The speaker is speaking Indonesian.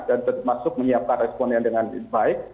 dan termasuk menyiapkan respon yang dengan baik